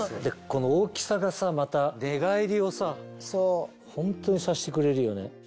この大きさがまた寝返りをホントにさせてくれるよね。